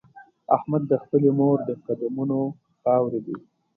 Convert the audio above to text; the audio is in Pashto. احمد د خپلې مور د قدمونو خاورې دی.